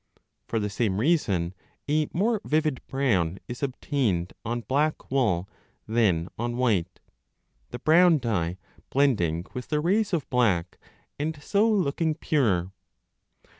For the same reason a more vivid brown is obtained on 5 black wool than on white, the brown dye blending with the rays of black and so looking purer.